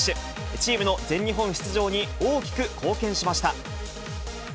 チームの全日本出場に大きく貢献しました。